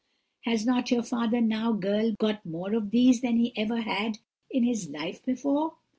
Has not your father now, girl, got more of these than he ever had in his life before?'